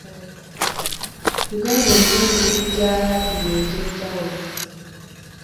Uganda erina emikutu gya laadiyo egy'enjawulo.